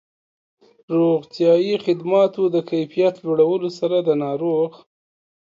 روغتیایي خدماتو د کيفيت لوړولو سره د ناروغ